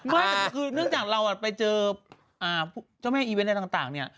ไม่แต่คือเนื่องจากเราไปเจอเจ้าแม่อีเวนต์อะไรต่างเนี่ย